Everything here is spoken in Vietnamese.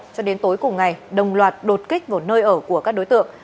cho đến tối cùng ngày đồng loạt đột kích vào nơi ở của các đối tượng